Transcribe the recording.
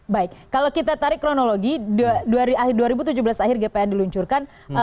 baik kalau kita tarik kronologi akhir dua ribu tujuh belas akhir gpn diluncurkan